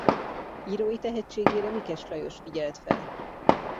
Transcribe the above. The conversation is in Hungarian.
Írói tehetségére Mikes Lajos figyelt fel.